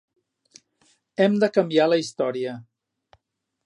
Hem de canviar la història.